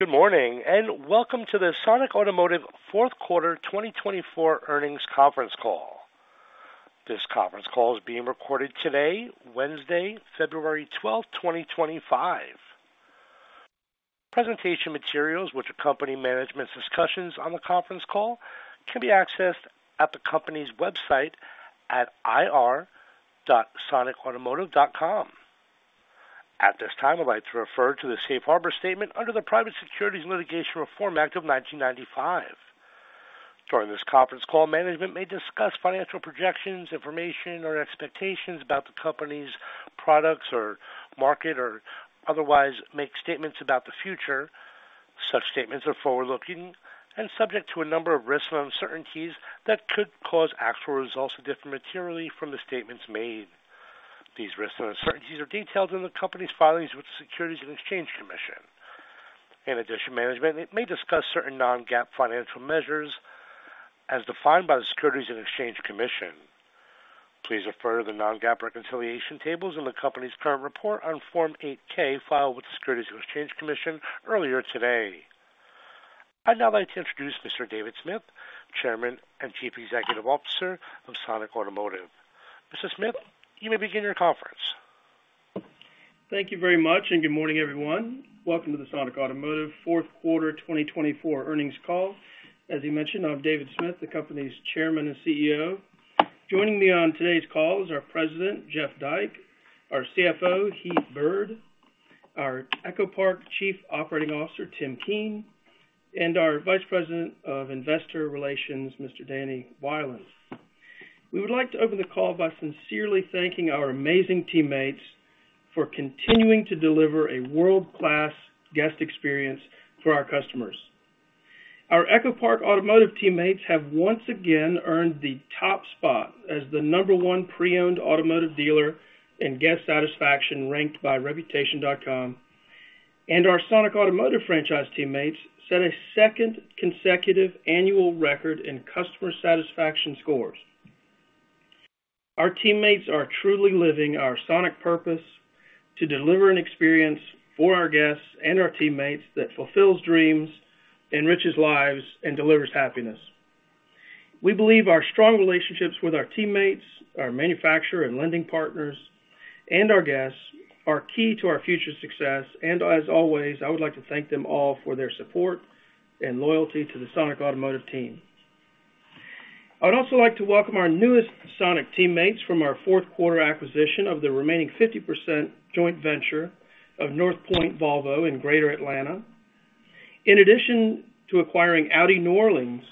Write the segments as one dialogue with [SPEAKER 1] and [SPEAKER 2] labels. [SPEAKER 1] Good morning and welcome to the Sonic Automotive Fourth Quarter 2024 earnings conference call. This conference call is being recorded today, Wednesday, February 12th, 2025. Presentation materials, which accompany management's discussions on the conference call, can be accessed at the company's website at ir.sonicautomotive.com. At this time, I'd like to refer to the Safe Harbor Statement under the Private Securities Litigation Reform Act of 1995. During this conference call, management may discuss financial projections, information, or expectations about the company's products or market, or otherwise make statements about the future. Such statements are forward-looking and subject to a number of risks and uncertainties that could cause actual results to differ materially from the statements made. These risks and uncertainties are detailed in the company's filings with the Securities and Exchange Commission. In addition, management may discuss certain non-GAAP financial measures as defined by the Securities and Exchange Commission. Please refer to the non-GAAP reconciliation tables in the company's current report on Form 8-K filed with the Securities and Exchange Commission earlier today. I'd now like to introduce Mr. David Smith, Chairman and Chief Executive Officer of Sonic Automotive. Mr. Smith, you may begin your conference.
[SPEAKER 2] Thank you very much, and good morning, everyone. Welcome to the Sonic Automotive Fourth Quarter 2024 earnings call. As you mentioned, I'm David Smith, the company's Chairman and CEO. Joining me on today's call is our President, Jeff Dyke, our CFO, Heath Byrd, our EchoPark Chief Operating Officer, Tim Keen, and our Vice President of Investor Relations, Mr. Danny Wieland. We would like to open the call by sincerely thanking our amazing teammates for continuing to deliver a world-class guest experience for our customers. Our EchoPark Automotive teammates have once again earned the top spot as the number one pre-owned automotive dealer in guest satisfaction ranked by Reputation.com, and our Sonic Automotive franchise teammates set a second consecutive annual record in customer satisfaction scores. Our teammates are truly living our Sonic purpose to deliver an experience for our guests and our teammates that fulfills dreams, enriches lives, and delivers happiness. We believe our strong relationships with our teammates, our manufacturer and lending partners, and our guests are key to our future success, and as always, I would like to thank them all for their support and loyalty to the Sonic Automotive team. I would also like to welcome our newest Sonic teammates from our fourth quarter acquisition of the remaining 50% joint venture of North Point Volvo in Greater Atlanta. In addition to acquiring Audi New Orleans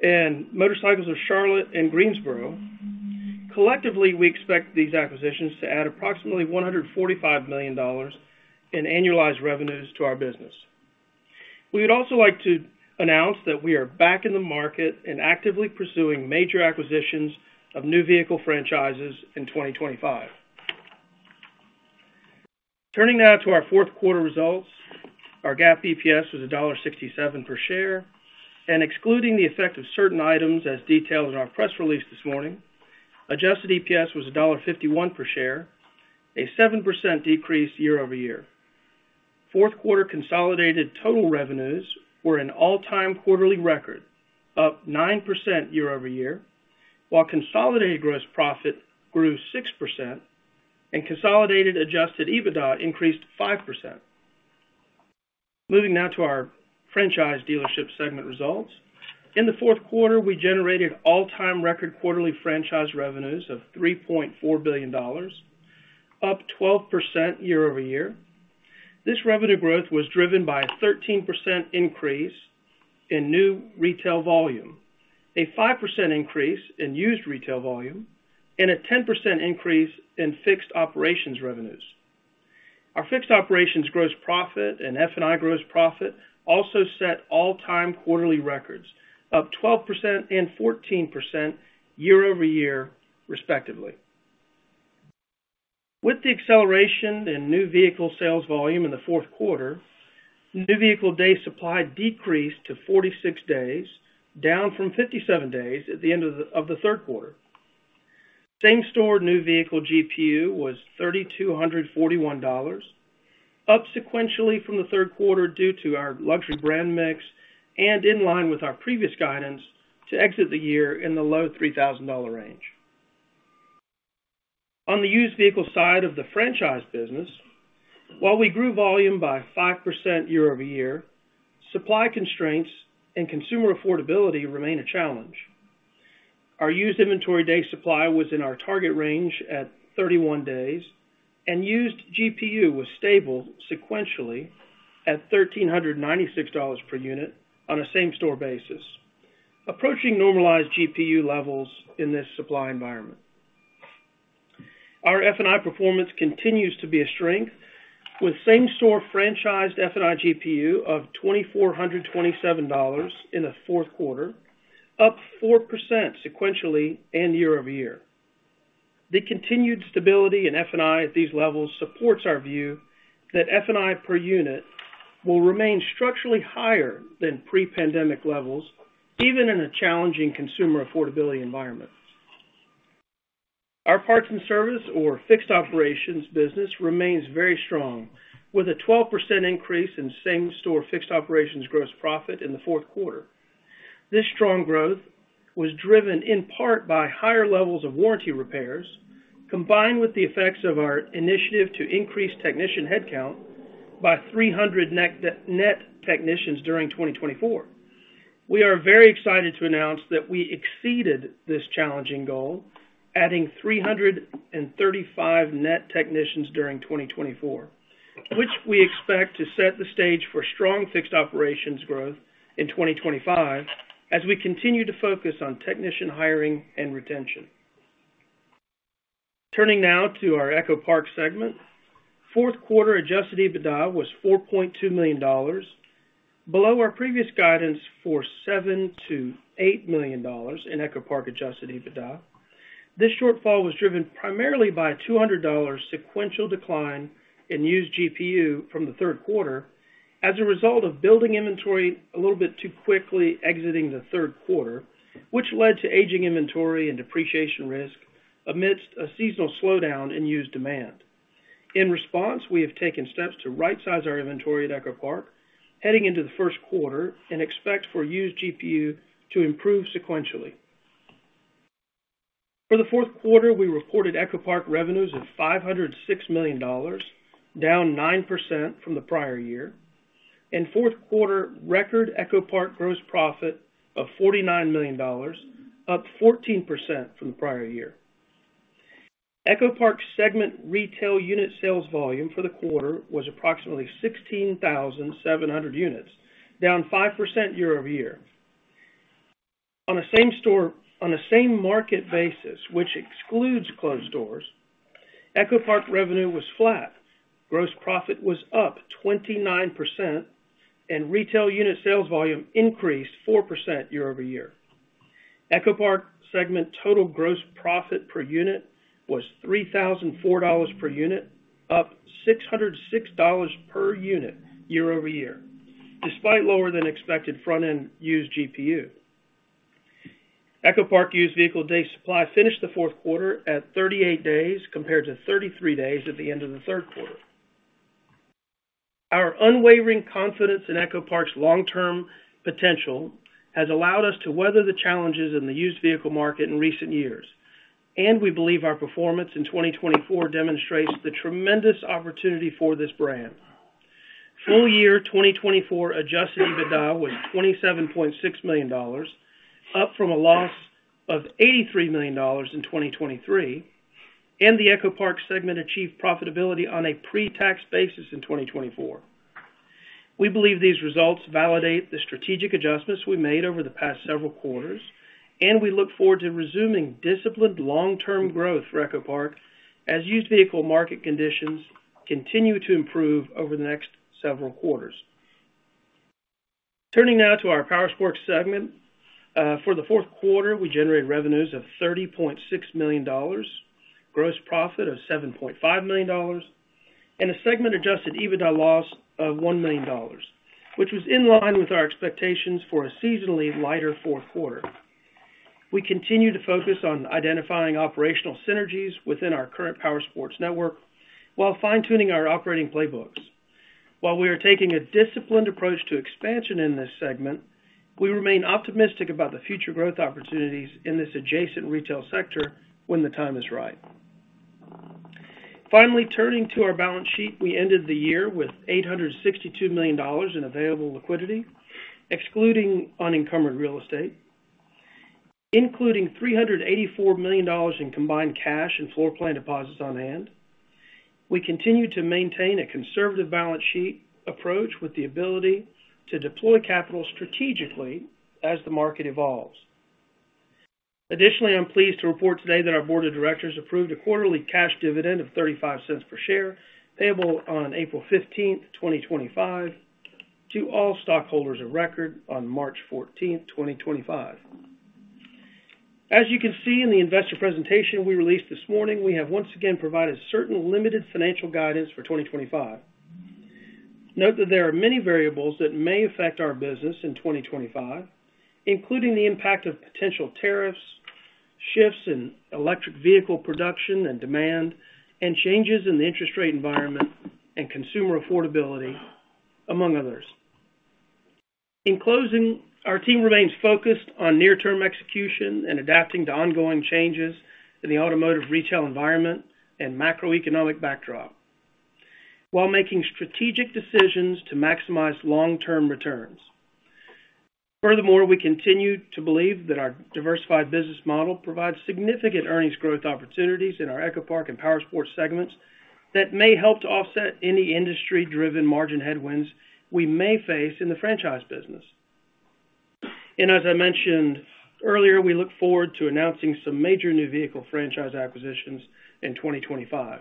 [SPEAKER 2] and Motorcycles of Charlotte and Greensboro, collectively, we expect these acquisitions to add approximately $145 million in annualized revenues to our business. We would also like to announce that we are back in the market and actively pursuing major acquisitions of new vehicle franchises in 2025. Turning now to our fourth quarter results, our GAAP EPS was $1.67 per share, and excluding the effect of certain items, as detailed in our press release this morning, adjusted EPS was $1.51 per share, a 7% decrease year-over-year. Fourth quarter consolidated total revenues were an all-time quarterly record, up 9% year-over-year, while consolidated gross profit grew 6% and consolidated adjusted EBITDA increased 5%. Moving now to our franchise dealership segment results. In the fourth quarter, we generated all-time record quarterly franchise revenues of $3.4 billion, up 12% year-over-year. This revenue growth was driven by a 13% increase in new retail volume, a 5% increase in used retail volume, and a 10% increase in fixed operations revenues. Our fixed operations gross profit and F&I gross profit also set all-time quarterly records, up 12% and 14% year-over-year, respectively. With the acceleration in new vehicle sales volume in the fourth quarter, new vehicle day supply decreased to 46 days, down from 57 days at the end of the third quarter. Same-store new vehicle GPU was $3,241, up sequentially from the third quarter due to our luxury brand mix and in line with our previous guidance to exit the year in the low $3,000 range. On the used vehicle side of the franchise business, while we grew volume by 5% year-over-year, supply constraints and consumer affordability remain a challenge. Our used inventory day supply was in our target range at 31 days, and used GPU was stable sequentially at $1,396 per unit on a same-store basis, approaching normalized GPU levels in this supply environment. Our F&I performance continues to be a strength, with same-store franchised F&I GPU of $2,427 in the fourth quarter, up 4% sequentially and year-over-year. The continued stability in F&I at these levels supports our view that F&I per unit will remain structurally higher than pre-pandemic levels, even in a challenging consumer affordability environment. Our parts and service, or fixed operations business, remains very strong, with a 12% increase in same-store fixed operations gross profit in the fourth quarter. This strong growth was driven in part by higher levels of warranty repairs, combined with the effects of our initiative to increase technician headcount by 300 net technicians during 2024. We are very excited to announce that we exceeded this challenging goal, adding 335 net technicians during 2024, which we expect to set the stage for strong fixed operations growth in 2025 as we continue to focus on technician hiring and retention. Turning now to our EchoPark segment, fourth quarter Adjusted EBITDA was $4.2 million, below our previous guidance for $7-$8 million in EchoPark Adjusted EBITDA. This shortfall was driven primarily by a $200 sequential decline in used GPU from the third quarter as a result of building inventory a little bit too quickly exiting the third quarter, which led to aging inventory and depreciation risk amidst a seasonal slowdown in used demand. In response, we have taken steps to right-size our inventory at EchoPark, heading into the first quarter, and expect for used GPU to improve sequentially. For the fourth quarter, we reported EchoPark revenues of $506 million, down 9% from the prior year, and fourth quarter record EchoPark gross profit of $49 million, up 14% from the prior year. EchoPark segment retail unit sales volume for the quarter was approximately 16,700 units, down 5% year-over-year. On a same-store, on a same-market basis, which excludes closed doors, EchoPark revenue was flat. Gross profit was up 29%, and retail unit sales volume increased 4% year-over-year. EchoPark segment total gross profit per unit was $3,004 per unit, up $606 per unit year-over-year, despite lower-than-expected front-end used GPU. EchoPark used vehicle day supply finished the fourth quarter at 38 days compared to 33 days at the end of the third quarter. Our unwavering confidence in EchoPark's long-term potential has allowed us to weather the challenges in the used vehicle market in recent years, and we believe our performance in 2024 demonstrates the tremendous opportunity for this brand. Full year 2024 Adjusted EBITDA was $27.6 million, up from a loss of $83 million in 2023, and the EchoPark segment achieved profitability on a pre-tax basis in 2024. We believe these results validate the strategic adjustments we made over the past several quarters, and we look forward to resuming disciplined long-term growth for EchoPark as used vehicle market conditions continue to improve over the next several quarters. Turning now to our Powersports segment, for the fourth quarter, we generated revenues of $30.6 million, gross profit of $7.5 million, and a segment-Adjusted EBITDA loss of $1 million, which was in line with our expectations for a seasonally lighter fourth quarter. We continue to focus on identifying operational synergies within our current Powersports network while fine-tuning our operating playbooks. While we are taking a disciplined approach to expansion in this segment, we remain optimistic about the future growth opportunities in this adjacent retail sector when the time is right. Finally, turning to our balance sheet, we ended the year with $862 million in available liquidity, excluding unencumbered real estate, including $384 million in combined cash and floor plan deposits on hand. We continue to maintain a conservative balance sheet approach with the ability to deploy capital strategically as the market evolves. Additionally, I'm pleased to report today that our board of directors approved a quarterly cash dividend of $0.35 per share, payable on April 15th, 2025, to all stockholders of record on March 14th, 2025. As you can see in the investor presentation we released this morning, we have once again provided certain limited financial guidance for 2025. Note that there are many variables that may affect our business in 2025, including the impact of potential tariffs, shifts in electric vehicle production and demand, and changes in the interest rate environment and consumer affordability, among others. In closing, our team remains focused on near-term execution and adapting to ongoing changes in the automotive retail environment and macroeconomic backdrop while making strategic decisions to maximize long-term returns. Furthermore, we continue to believe that our diversified business model provides significant earnings growth opportunities in our EchoPark and Powersports segments that may help to offset any industry-driven margin headwinds we may face in the franchise business. And as I mentioned earlier, we look forward to announcing some major new vehicle franchise acquisitions in 2025.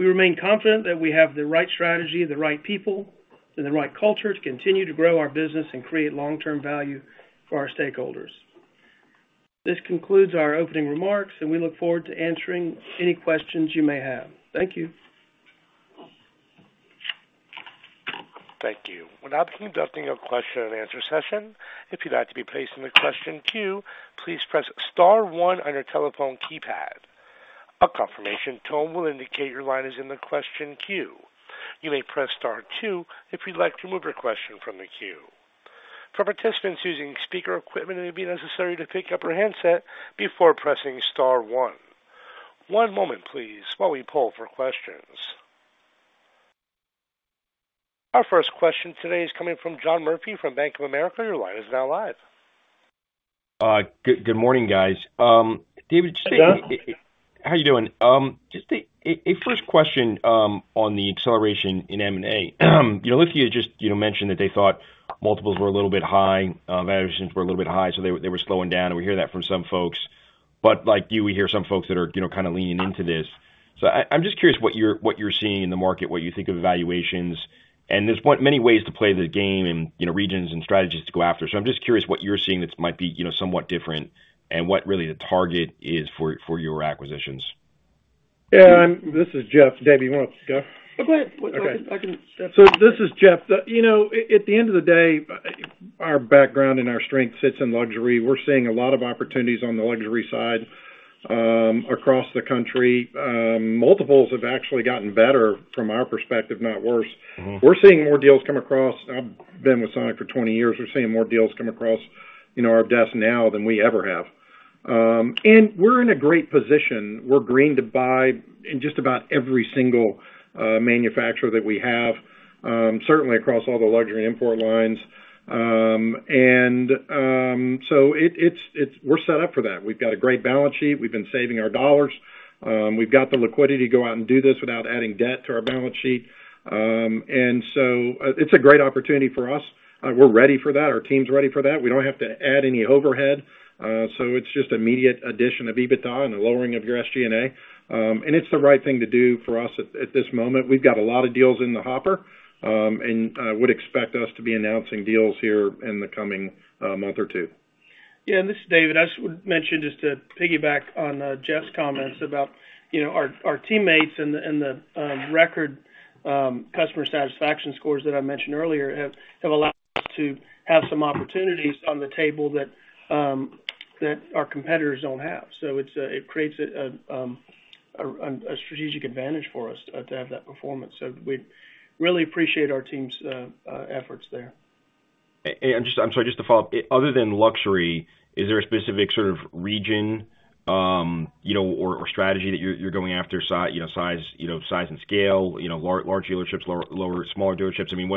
[SPEAKER 2] We remain confident that we have the right strategy, the right people, and the right culture to continue to grow our business and create long-term value for our stakeholders. This concludes our opening remarks, and we look forward to answering any questions you may have. Thank you.
[SPEAKER 1] Thank you. We're now conducting a question-and-answer session. If you'd like to be placed in the question queue, please press star one on your telephone keypad. A confirmation tone will indicate your line is in the question queue. You may press star two if you'd like to remove your question from the queue. For participants using speaker equipment, it will be necessary to pick up your handset before pressing star one. One moment, please, while we poll for questions. Our first question today is coming from John Murphy from Bank of America. Your line is now live.
[SPEAKER 3] Good morning, guys. David.
[SPEAKER 2] Hey, John.
[SPEAKER 3] How are you doing? Just a first question on the acceleration in M&A. Lithia just mentioned that they thought multiples were a little bit high, valuations were a little bit high, so they were slowing down. We hear that from some folks. But like you, we hear some folks that are kind of leaning into this. So I'm just curious what you're seeing in the market, what you think of valuations, and there's many ways to play the game and regions and strategies to go after. So I'm just curious what you're seeing that might be somewhat different and what really the target is for your acquisitions.
[SPEAKER 4] Yeah, this is Jeff. David, you want to start?
[SPEAKER 2] Oh, go ahead.
[SPEAKER 4] This is Jeff. At the end of the day, our background and our strength sits in luxury. We're seeing a lot of opportunities on the luxury side across the country. Multiples have actually gotten better from our perspective, not worse. We're seeing more deals come across. I've been with Sonic for 20 years. We're seeing more deals come across our desk now than we ever have. And we're in a great position. We're green to buy in just about every single manufacturer that we have, certainly across all the luxury import lines. And so we're set up for that. We've got a great balance sheet. We've been saving our dollars. We've got the liquidity to go out and do this without adding debt to our balance sheet. And so it's a great opportunity for us. We're ready for that. Our team's ready for that. We don't have to add any overhead. So it's just immediate addition of EBITDA and the lowering of your SG&A. And it's the right thing to do for us at this moment. We've got a lot of deals in the hopper and would expect us to be announcing deals here in the coming month or two.
[SPEAKER 2] Yeah, and this is David. I just would mention just to piggyback on Jeff's comments about our teammates and the record customer satisfaction scores that I mentioned earlier have allowed us to have some opportunities on the table that our competitors don't have. So it creates a strategic advantage for us to have that performance. So we really appreciate our team's efforts there.
[SPEAKER 3] I'm sorry, just to follow up, other than luxury, is there a specific sort of region or strategy that you're going after? Size and scale, large dealerships, smaller dealerships? I mean,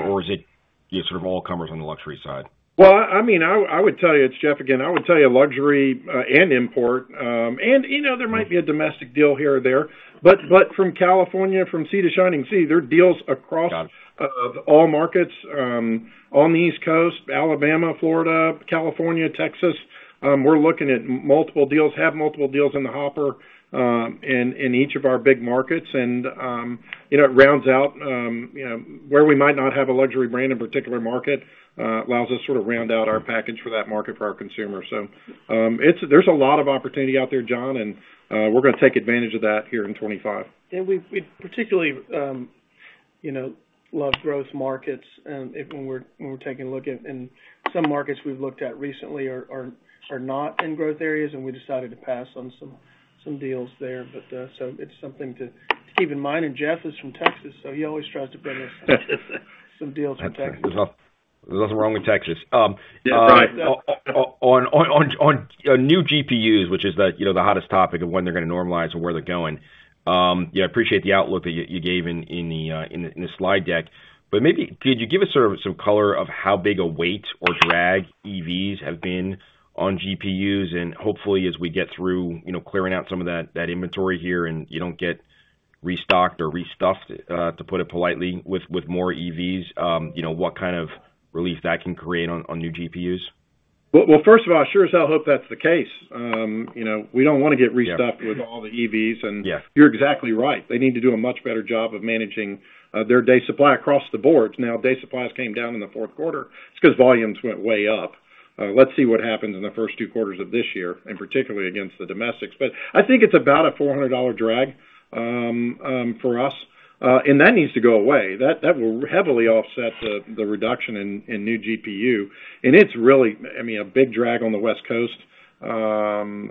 [SPEAKER 3] or is it sort of all comers on the luxury side?
[SPEAKER 4] I mean, I would tell you, it's Jeff again. I would tell you luxury and import. And there might be a domestic deal here or there. But from California, from sea to shining sea, there are deals across all markets on the East Coast, Alabama, Florida, California, Texas. We're looking at multiple deals, have multiple deals in the hopper in each of our big markets. And it rounds out where we might not have a luxury brand in a particular market, allows us sort of round out our package for that market for our consumers. So there's a lot of opportunity out there, John, and we're going to take advantage of that here in 2025.
[SPEAKER 2] And we particularly love growth markets. And when we're taking a look at some markets we've looked at recently, are not in growth areas, and we decided to pass on some deals there. But so it's something to keep in mind. And Jeff is from Texas, so he always tries to bring us some deals from Texas.
[SPEAKER 3] There's nothing wrong with Texas. On new GPUs, which is the hottest topic of when they're going to normalize and where they're going, I appreciate the outlook that you gave in the slide deck. But maybe could you give us sort of some color of how big a weight or drag EVs have been on GPUs? And hopefully, as we get through clearing out some of that inventory here and you don't get restocked or restuffed, to put it politely, with more EVs, what kind of relief that can create on new GPUs?
[SPEAKER 4] First of all, sure as hell hope that's the case. We don't want to get restuffed with all the EVs. You're exactly right. They need to do a much better job of managing their day supply across the board. Now, day supplies came down in the fourth quarter. It's because volumes went way up. Let's see what happens in the first two quarters of this year, and particularly against the domestics. I think it's about a $400 drag for us. That needs to go away. That will heavily offset the reduction in new GPU. It's really, I mean, a big drag on the West Coast, and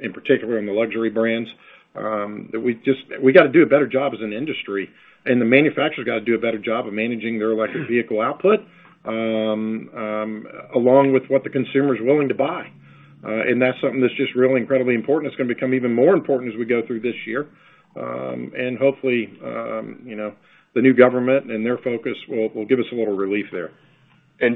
[SPEAKER 4] in particular on the luxury brands. We got to do a better job as an industry. The manufacturers got to do a better job of managing their electric vehicle output along with what the consumer is willing to buy. That's something that's just really incredibly important. It's going to become even more important as we go through this year. Hopefully, the new government and their focus will give us a little relief there.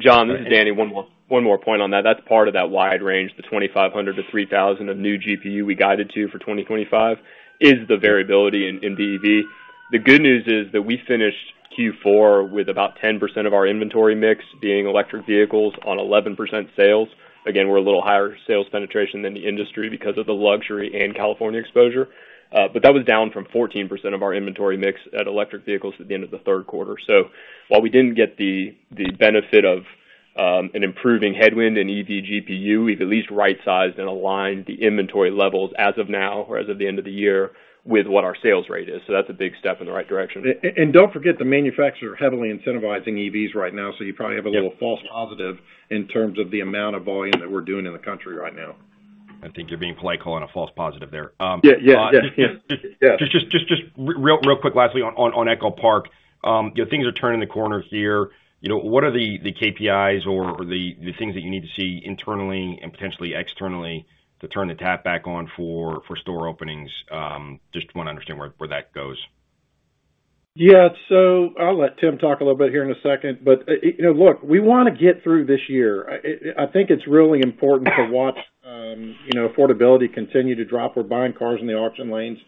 [SPEAKER 5] John, this is Danny. One more point on that. That's part of that wide range, the $2,500-$3,000 of new GPU we guided to for 2025 is the variability in the EV. The good news is that we finished Q4 with about 10% of our inventory mix being electric vehicles on 11% sales. Again, we're a little higher sales penetration than the industry because of the luxury and California exposure. But that was down from 14% of our inventory mix at electric vehicles at the end of the third quarter. So while we didn't get the benefit of an improving headwind in EV GPU, we've at least right-sized and aligned the inventory levels as of now or as of the end of the year with what our sales rate is. So that's a big step in the right direction.
[SPEAKER 4] And don't forget, the manufacturers are heavily incentivizing EVs right now. So you probably have a little false positive in terms of the amount of volume that we're doing in the country right now.
[SPEAKER 3] I think you're being polite calling a false positive there.
[SPEAKER 4] Yeah, yeah.
[SPEAKER 3] Just real quick, lastly, on EchoPark, things are turning the corner here. What are the KPIs or the things that you need to see internally and potentially externally to turn the tap back on for store openings? Just want to understand where that goes.
[SPEAKER 4] Yeah. So I'll let Tim talk a little bit here in a second. But look, we want to get through this year. I think it's really important to watch affordability continue to drop. We're buying cars in the auction lanes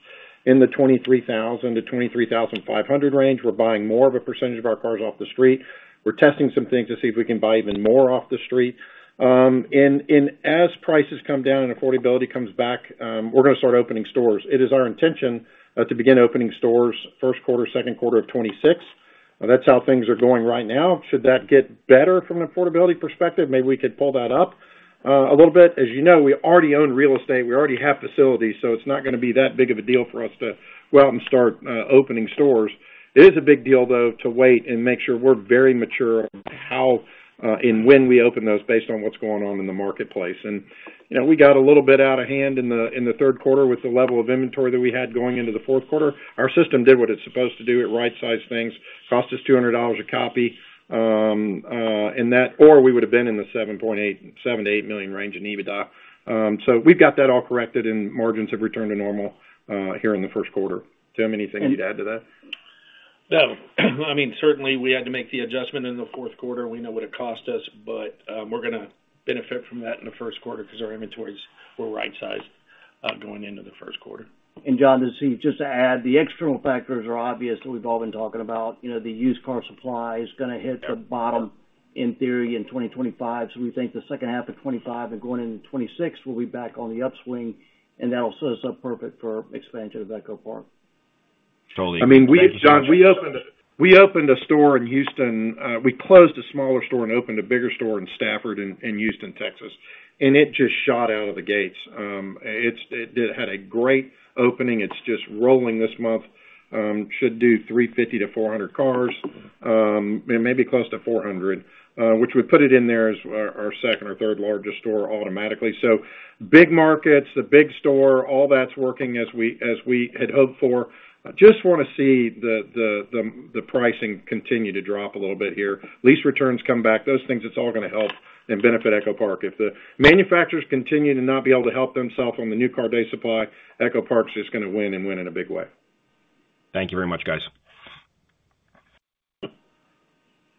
[SPEAKER 4] in the $23,000-$23,500 range. We're buying more of a percentage of our cars off the street. We're testing some things to see if we can buy even more off the street. And as prices come down and affordability comes back, we're going to start opening stores. It is our intention to begin opening stores first quarter, second quarter of 2026. That's how things are going right now. Should that get better from an affordability perspective, maybe we could pull that up a little bit. As you know, we already own real estate. We already have facilities. So it's not going to be that big of a deal for us to go out and start opening stores. It is a big deal, though, to wait and make sure we're very mature on how and when we open those based on what's going on in the marketplace. And we got a little bit out of hand in the third quarter with the level of inventory that we had going into the fourth quarter. Our system did what it's supposed to do. It right-sized things. Cost us $200 a copy. Or we would have been in the 7-8 million range in EBITDA. So we've got that all corrected, and margins have returned to normal here in the first quarter. Tim, anything you'd add to that?
[SPEAKER 6] No. I mean, certainly, we had to make the adjustment in the fourth quarter. We know what it cost us, but we're going to benefit from that in the first quarter because our inventories were right-sized going into the first quarter.
[SPEAKER 7] And John, just to add, the external factors are obvious that we've all been talking about. The used car supply is going to hit the bottom, in theory, in 2025. So we think the second half of 2025 and going into 2026, we'll be back on the upswing. And that'll set us up perfect for expansion of EchoPark.
[SPEAKER 3] Totally.
[SPEAKER 4] I mean, John, we opened a store in Houston. We closed a smaller store and opened a bigger store in Stafford and Houston, Texas, and it just shot out of the gates. It had a great opening. It's just rolling this month. It should do 350-400 cars and maybe close to 400, which would put it in there as our second or third largest store automatically, so big markets, the big store, all that's working as we had hoped for. Just want to see the pricing continue to drop a little bit here. Lease returns come back. Those things, it's all going to help and benefit EchoPark. If the manufacturers continue to not be able to help themselves on the new car day supply, EchoPark's just going to win and win in a big way.
[SPEAKER 3] Thank you very much, guys.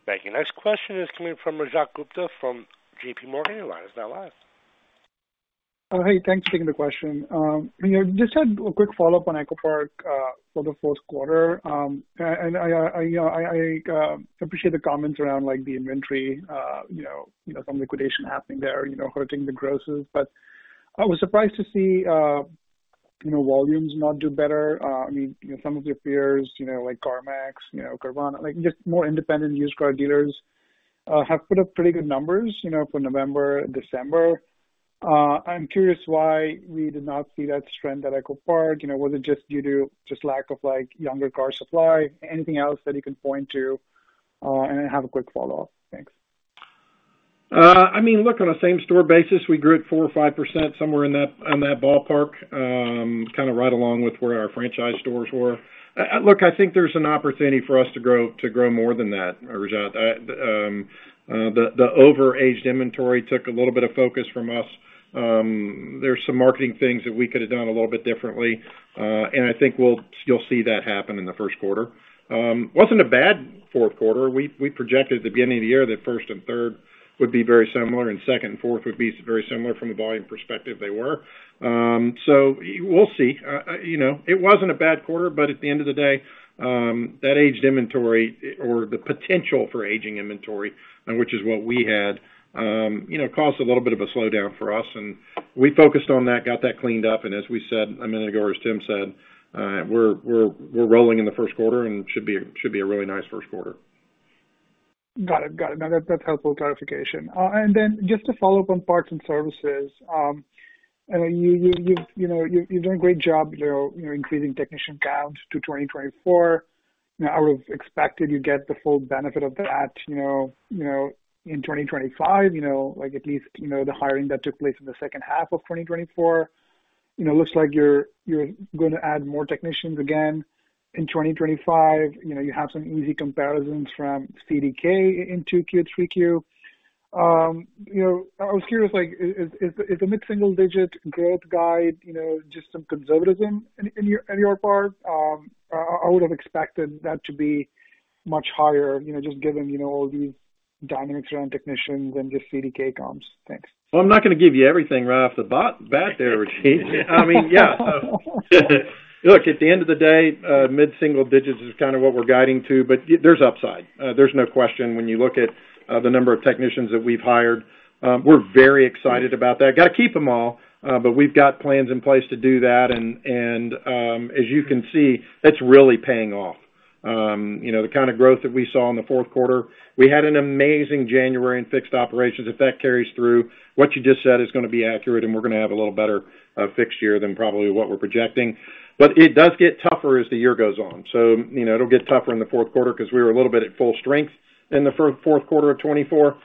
[SPEAKER 1] Thank you. Next question is coming from Rajat Gupta from JPMorgan. Your line is now live.
[SPEAKER 8] Hey, thanks for taking the question. Just a quick follow-up on EchoPark for the fourth quarter. And I appreciate the comments around the inventory, some liquidation happening there, hurting the grosses. But I was surprised to see volumes not do better. I mean, some of your peers like CarMax, Carvana, just more independent used car dealers have put up pretty good numbers for November, December. I'm curious why we did not see that strength at EchoPark. Was it just due to just lack of younger car supply? Anything else that you can point to? And I have a quick follow-up. Thanks.
[SPEAKER 4] I mean, look, on a same-store basis, we grew at 4% or 5%, somewhere in that ballpark, kind of right along with where our franchise stores were. Look, I think there's an opportunity for us to grow more than that, Rajat. The overaged inventory took a little bit of focus from us. There's some marketing things that we could have done a little bit differently. And I think you'll see that happen in the first quarter. Wasn't a bad fourth quarter. We projected at the beginning of the year that first and third would be very similar and second and fourth would be very similar from a volume perspective. They were. So we'll see. It wasn't a bad quarter, but at the end of the day, that aged inventory or the potential for aging inventory, which is what we had, caused a little bit of a slowdown for us. We focused on that, got that cleaned up. As we said a minute ago, as Tim said, we're rolling in the first quarter and should be a really nice first quarter.
[SPEAKER 8] Got it. Got it. No, that's helpful clarification. And then just to follow up on parts and services, you've done a great job increasing technician count to 2024. I would have expected you'd get the full benefit of that in 2025, at least the hiring that took place in the second half of 2024. Looks like you're going to add more technicians again in 2025. You have some easy comparisons from CDK in Q2, Q3. I was curious, is the mid-single-digit growth guide just some conservatism on your part? I would have expected that to be much higher just given all these dynamics around technicians and just CDK comps. Thanks.
[SPEAKER 4] I'm not going to give you everything right off the bat there, Rajat. I mean, yeah. Look, at the end of the day, mid-single digits is kind of what we're guiding to. But there's upside. There's no question when you look at the number of technicians that we've hired. We're very excited about that. Got to keep them all, but we've got plans in place to do that. And as you can see, that's really paying off. The kind of growth that we saw in the fourth quarter, we had an amazing January in fixed operations. If that carries through, what you just said is going to be accurate, and we're going to have a little better fixed year than probably what we're projecting. But it does get tougher as the year goes on. So it'll get tougher in the fourth quarter because we were a little bit at full strength in the fourth quarter of 2024.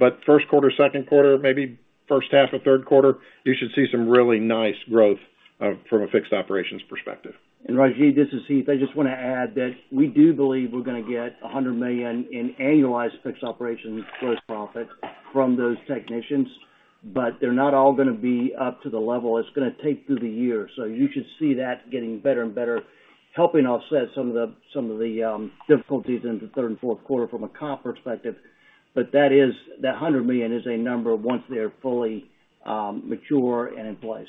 [SPEAKER 4] But first quarter, second quarter, maybe first half of third quarter, you should see some really nice growth from a fixed operations perspective.
[SPEAKER 7] And Rajat, this is Heath. I just want to add that we do believe we're going to get $100 million in annualized fixed operations gross profit from those technicians. But they're not all going to be up to the level. It's going to take through the year. So you should see that getting better and better, helping offset some of the difficulties in the third and fourth quarter from a comp perspective. But that $100 million is a number once they're fully mature and in place.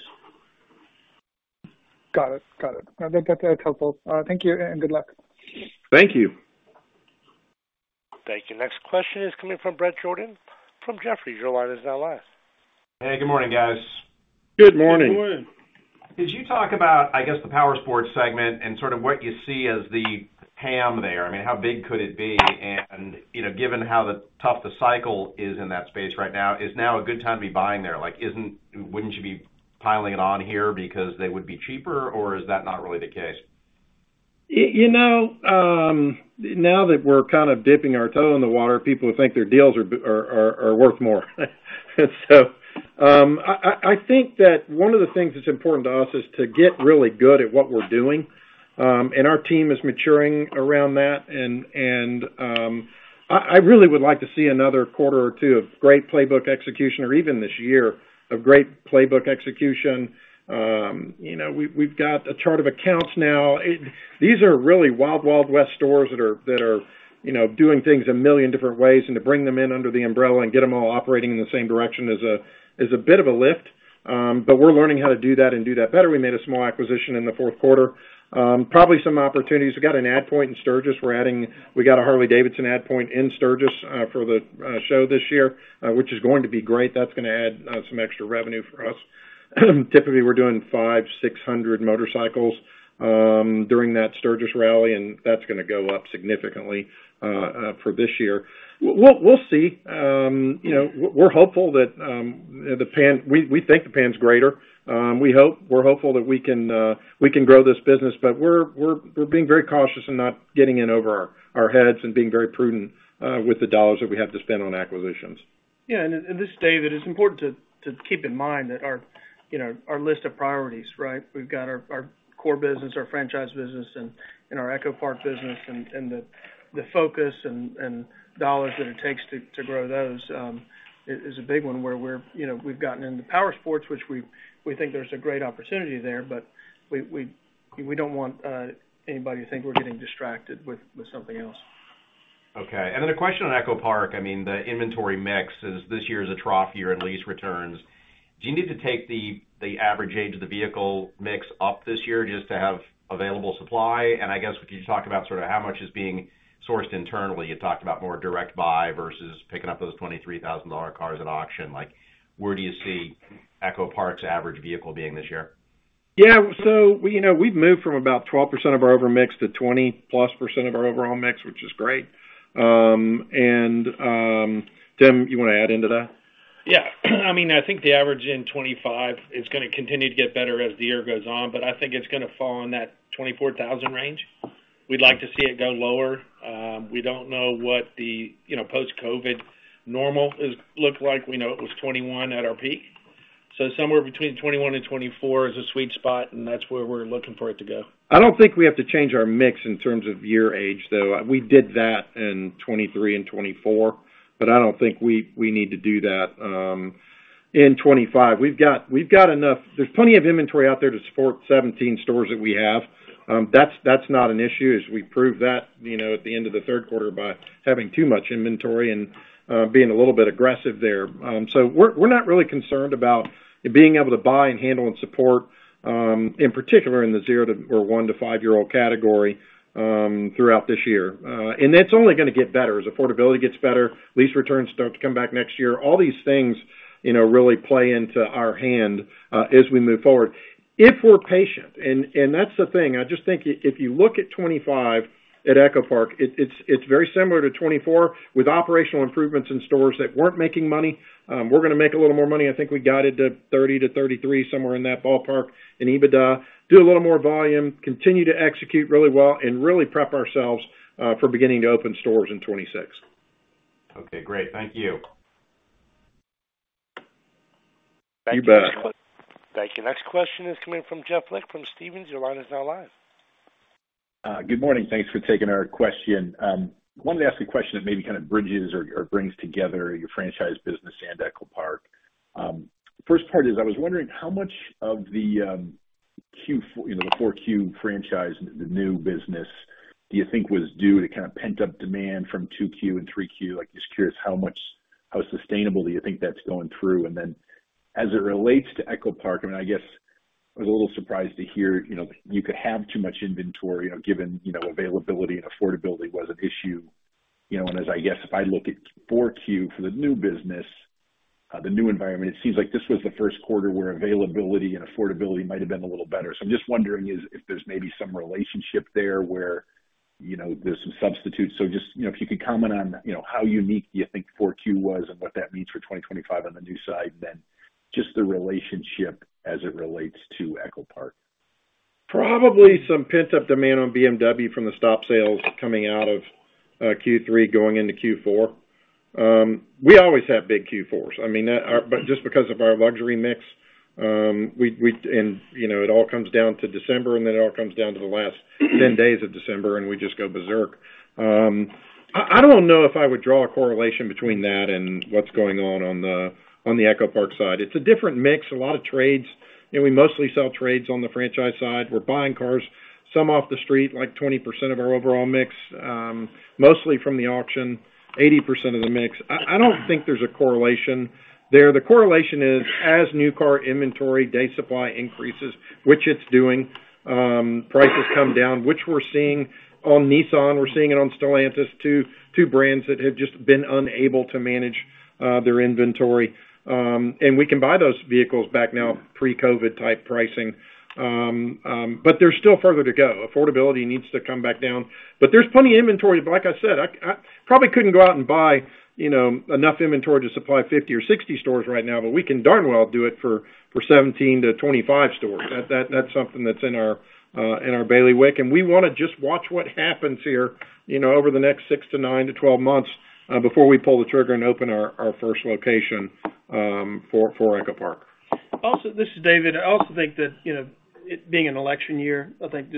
[SPEAKER 8] Got it. Got it. That's helpful. Thank you and good luck.
[SPEAKER 4] Thank you.
[SPEAKER 1] Thank you. Next question is coming from Bret Jordan from Jefferies. Your line is now live.
[SPEAKER 9] Hey, good morning, guys.
[SPEAKER 4] Good morning.
[SPEAKER 9] Good morning. Did you talk about, I guess, the Powersports segment and sort of what you see as the plan there? I mean, how big could it be? And given how tough the cycle is in that space right now, is now a good time to be buying there? Wouldn't you be piling it on here because they would be cheaper, or is that not really the case?
[SPEAKER 4] Now that we're kind of dipping our toe in the water, people think their deals are worth more. So I think that one of the things that's important to us is to get really good at what we're doing. And our team is maturing around that. And I really would like to see another quarter or two of great playbook execution, or even this year, of great playbook execution. We've got a chart of accounts now. These are really wild, wild west stores that are doing things a million different ways. And to bring them in under the umbrella and get them all operating in the same direction is a bit of a lift. But we're learning how to do that and do that better. We made a small acquisition in the fourth quarter. Probably some opportunities. We got an add point in Sturgis. We got a Harley-Davidson add point in Sturgis for the show this year, which is going to be great. That's going to add some extra revenue for us. Typically, we're doing 5,600 motorcycles during that Sturgis rally, and that's going to go up significantly for this year. We'll see. We're hopeful that the demand we think the demand's greater. We hope. We're hopeful that we can grow this business. But we're being very cautious and not getting in over our heads and being very prudent with the dollars that we have to spend on acquisitions.
[SPEAKER 2] Yeah, and today it is important to keep in mind that our list of priorities, right? We've got our core business, our franchise business, and our EchoPark business. And the focus and dollars that it takes to grow those is a big one where we've gotten into Powersports, which we think there's a great opportunity there, but we don't want anybody to think we're getting distracted with something else.
[SPEAKER 9] Okay. And then a question on EchoPark. I mean, the inventory mix is this year is a trough year in lease returns. Do you need to take the average age of the vehicle mix up this year just to have available supply? And I guess could you talk about sort of how much is being sourced internally? You talked about more direct buy versus picking up those $23,000 cars at auction. Where do you see EchoPark's average vehicle being this year?
[SPEAKER 4] Yeah. So we've moved from about 12% of our overall mix to 20-plus% of our overall mix, which is great. And Tim, you want to add into that?
[SPEAKER 6] Yeah. I mean, I think the average in 2025 is going to continue to get better as the year goes on. But I think it's going to fall in that 24,000 range. We'd like to see it go lower. We don't know what the post-COVID normal looked like. We know it was 21 at our peak. So somewhere between 21 and 24 is a sweet spot, and that's where we're looking for it to go.
[SPEAKER 4] I don't think we have to change our mix in terms of year age, though. We did that in 2023 and 2024, but I don't think we need to do that in 2025. We've got enough. There's plenty of inventory out there to support 17 stores that we have. That's not an issue as we proved that at the end of the third quarter by having too much inventory and being a little bit aggressive there. So we're not really concerned about being able to buy and handle and support, in particular, in the zero to one or one to five-year-old category throughout this year. And that's only going to get better as affordability gets better. Lease returns start to come back next year. All these things really play into our hand as we move forward. If we're patient, and that's the thing, I just think if you look at 2025 at EchoPark, it's very similar to 2024 with operational improvements in stores that weren't making money. We're going to make a little more money. I think we got it to 30-33, somewhere in that ballpark in EBITDA. Do a little more volume, continue to execute really well, and really prep ourselves for beginning to open stores in 2026.
[SPEAKER 9] Okay. Great. Thank you.
[SPEAKER 4] You bet.
[SPEAKER 1] Thank you. Next question is coming from Jeff Lick from Stephens. Your line is now live.
[SPEAKER 10] Good morning. Thanks for taking our question. I wanted to ask a question that maybe kind of bridges or brings together your franchise business and EchoPark. First part is I was wondering how much of the Q4, Q5 franchise, the new business, do you think was due to kind of pent-up demand from 2Q and 3Q? Just curious how sustainable do you think that's going through? And then as it relates to EchoPark, I mean, I guess I was a little surprised to hear you could have too much inventory given availability and affordability was an issue. And as I guess if I look at 4Q for the new business, the new environment, it seems like this was the first quarter where availability and affordability might have been a little better. So I'm just wondering if there's maybe some relationship there where there's some substitutes. So, just if you could comment on how unique do you think 4Q was and what that means for 2025 on the new side, then just the relationship as it relates to EchoPark.
[SPEAKER 4] Probably some pent-up demand on BMW from the stop sales coming out of Q3 going into Q4. We always have big Q4s. I mean, just because of our luxury mix, and it all comes down to December, and then it all comes down to the last 10 days of December, and we just go berserk. I don't know if I would draw a correlation between that and what's going on on the EchoPark side. It's a different mix. A lot of trades. We mostly sell trades on the franchise side. We're buying cars, some off the street, like 20% of our overall mix, mostly from the auction, 80% of the mix. I don't think there's a correlation there. The correlation is as new car inventory day supply increases, which it's doing. Prices come down, which we're seeing on Nissan. We're seeing it on Stellantis, two brands that have just been unable to manage their inventory. And we can buy those vehicles back now, pre-COVID type pricing. But there's still further to go. Affordability needs to come back down. But there's plenty of inventory. Like I said, I probably couldn't go out and buy enough inventory to supply 50 or 60 stores right now, but we can darn well do it for 17-25 stores. That's something that's in our bailiwick. And we want to just watch what happens here over the next six to nine to 12 months before we pull the trigger and open our first location for EchoPark.
[SPEAKER 2] This is David. I also think that being an election year, I think,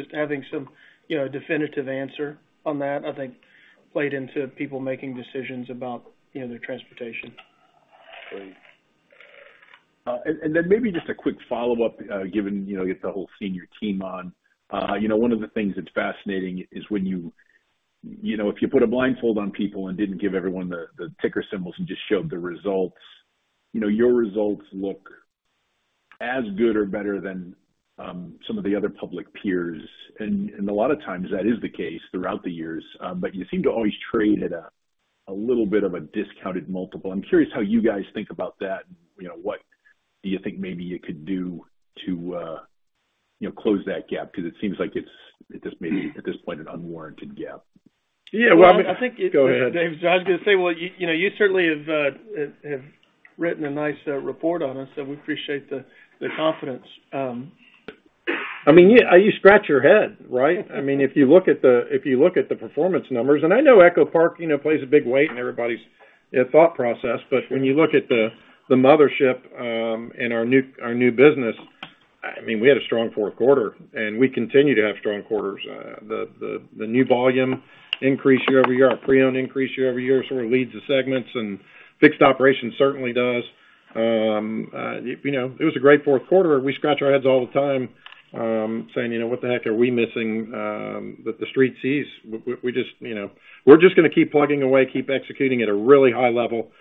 [SPEAKER 2] played into people making decisions about their transportation.
[SPEAKER 10] Great. And then maybe just a quick follow-up given the whole senior team on one of the things that's fascinating is when you if you put a blindfold on people and didn't give everyone the ticker symbols and just showed the results, your results look as good or better than some of the other public peers. And a lot of times that is the case throughout the years. But you seem to always trade at a little bit of a discounted multiple. I'm curious how you guys think about that. What do you think maybe you could do to close that gap? Because it seems like it's just maybe at this point an unwarranted gap.
[SPEAKER 4] Yeah, well, I think. Go ahead.
[SPEAKER 2] I was going to say, well, you certainly have written a nice report on us, so we appreciate the confidence.
[SPEAKER 4] I mean, you scratch your head, right? I mean, if you look at the performance numbers, and I know EchoPark plays a big weight in everybody's thought process, but when you look at the mothership and our new business, I mean, we had a strong fourth quarter, and we continue to have strong quarters. The new volume increase year-over-year, our pre-owned increase year-over-year sort of leads the segments, and fixed operations certainly does. It was a great fourth quarter. We scratch our heads all the time saying, "What the heck are we missing that the street sees?" We're just going to keep plugging away, keep executing at a really high level.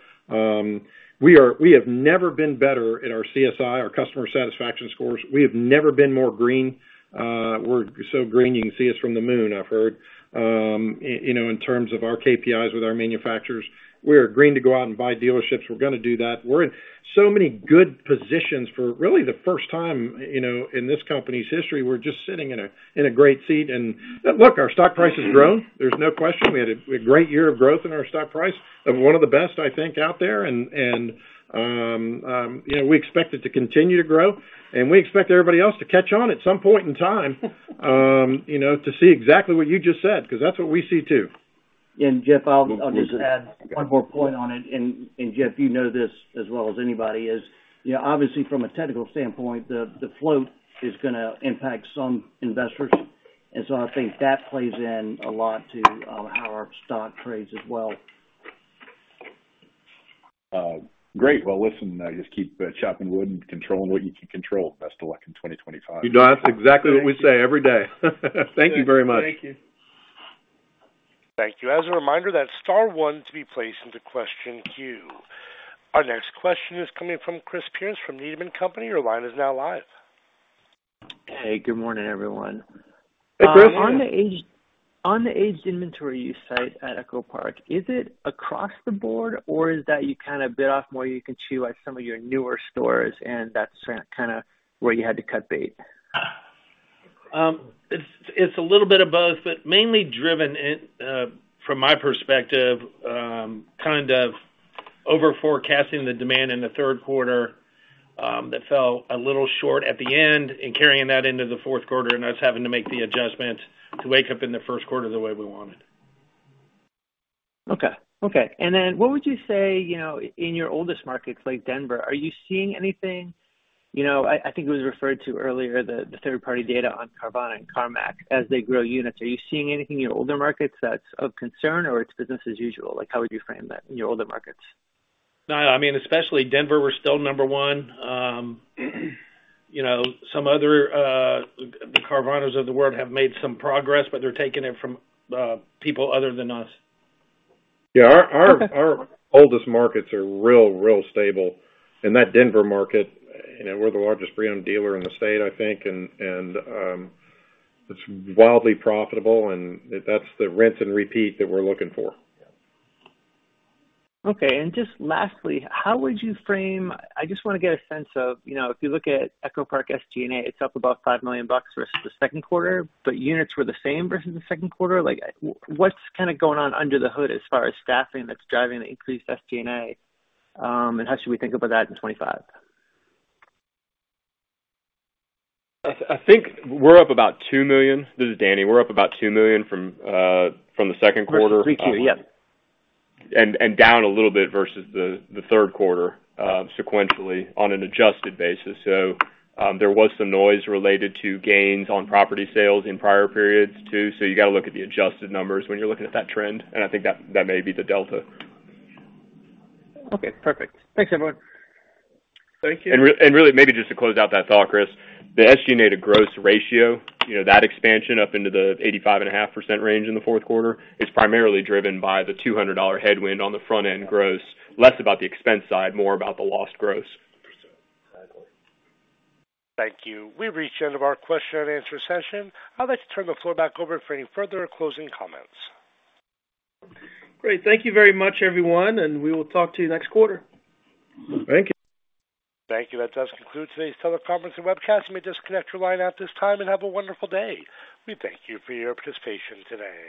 [SPEAKER 4] We have never been better at our CSI, our customer satisfaction scores. We have never been more green. We're so green, you can see us from the moon, I've heard, in terms of our KPIs with our manufacturers. We are agreeing to go out and buy dealerships. We're going to do that. We're in so many good positions for really the first time in this company's history. We're just sitting in a great seat, and look, our stock price has grown. There's no question. We had a great year of growth in our stock price, of one of the best, I think, out there, and we expect it to continue to grow, and we expect everybody else to catch on at some point in time to see exactly what you just said because that's what we see too.
[SPEAKER 7] Jeff, I'll just add one more point on it. Jeff, you know this as well as anybody is obviously from a technical standpoint, the float is going to impact some investors. So I think that plays in a lot to how our stock trades as well.
[SPEAKER 10] Great. Well, listen, just keep chopping wood and controlling what you can control. Best of luck in 2025.
[SPEAKER 4] You know that's exactly what we say every day. Thank you very much.
[SPEAKER 1] Thank you. Thank you. As a reminder, that's star one to be placed into the question queue. Our next question is coming from Chris Pierce from Needham & Company. Your line is now live.
[SPEAKER 11] Hey, good morning, everyone.
[SPEAKER 4] Hey, Chris.
[SPEAKER 11] On the aged inventory you cite at EchoPark, is it across the board, or is that you kind of bit off more you can chew at some of your newer stores, and that's kind of where you had to cut bait?
[SPEAKER 4] It's a little bit of both, but mainly driven from my perspective, kind of overforecasting the demand in the third quarter that fell a little short at the end and carrying that into the fourth quarter, and that's having to make the adjustment to make up in the first quarter the way we wanted.
[SPEAKER 11] Okay. Okay. And then what would you say in your oldest markets like Denver, are you seeing anything? I think it was referred to earlier, the third-party data on Carvana and CarMax as they grow units. Are you seeing anything in your older markets that's of concern or it's business as usual? How would you frame that in your older markets?
[SPEAKER 4] No. I mean, especially Denver, we're still number one. Some other Carvana's of the world have made some progress, but they're taking it from people other than us.
[SPEAKER 5] Yeah. Our oldest markets are real, real stable. And that Denver market, we're the largest pre-owned dealer in the state, I think. And it's wildly profitable. And that's the rinse and repeat that we're looking for.
[SPEAKER 11] Okay. And just lastly, how would you frame? I just want to get a sense of if you look at EchoPark SG&A, it's up about $5 million versus the second quarter. But units were the same versus the second quarter. What's kind of going on under the hood as far as staffing that's driving the increased SG&A? And how should we think about that in 2025?
[SPEAKER 5] I think we're up about $2 million. This is Danny. We're up about $2 million from the second quarter.
[SPEAKER 11] From 3Q, yes.
[SPEAKER 5] And down a little bit versus the third quarter sequentially on an adjusted basis. So there was some noise related to gains on property sales in prior periods too. So you got to look at the adjusted numbers when you're looking at that trend. And I think that may be the delta.
[SPEAKER 11] Okay. Perfect. Thanks, everyone.
[SPEAKER 4] Thank you.
[SPEAKER 5] Really, maybe just to close out that thought, Chris, the SG&A to gross ratio, that expansion up into the 85.5% range in the fourth quarter is primarily driven by the $200 headwind on the front-end gross, less about the expense side, more about the lost gross.
[SPEAKER 10] Exactly.
[SPEAKER 1] Thank you. We've reached the end of our question and answer session. I'd like to turn the floor back over for any further closing comments.
[SPEAKER 4] Great. Thank you very much, everyone. And we will talk to you next quarter.
[SPEAKER 5] Thank you.
[SPEAKER 1] Thank you. That does conclude today's teleconference and webcast. You may disconnect your line at this time and have a wonderful day. We thank you for your participation today.